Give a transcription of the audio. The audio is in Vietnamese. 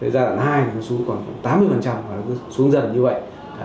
giai đoạn hai nó xuống khoảng tám mươi và nó cứ xuống dần như vậy